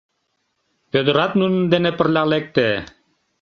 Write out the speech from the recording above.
Вӧдырат нунын дене пырля лекте.